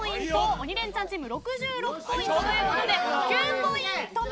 鬼レンチャンチーム６６ポイントということで９ポイント分